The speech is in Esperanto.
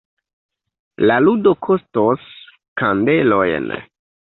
La ludo kostos kandelojn.